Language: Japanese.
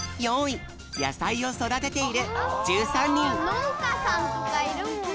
のうかさんとかいるもんね。